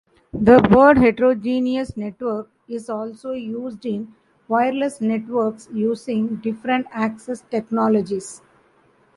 The word heterogeneous network is also used in wireless networks using different access technologies.